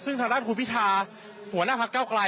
ซึ่งทางด้านครูพีทาหัวหน้าภักก์เก้ากลาย